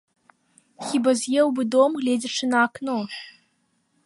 Хіба з'еў бы дом, гледзячы на акно?